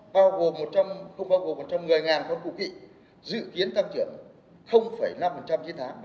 bao gồm một trăm linh không bao gồm một trăm linh người ngàn con cụ kỵ dự kiến tăng trưởng năm trên tháng